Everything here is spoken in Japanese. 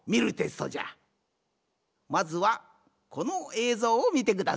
まずはこのえいぞうをみてください。